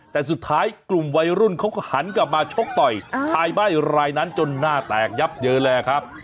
แต่สุดท้ายกลุ่มวัยรุ่นเขาก็หันกลับมาชกต่อยชายใบ้รายนั้นจนหน้าแตกยับเยอะเลยครับ